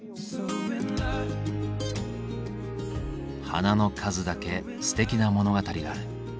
花の数だけすてきな物語がある。